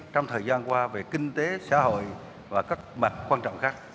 trong thời gian qua về kinh tế xã hội và các mặt quan trọng khác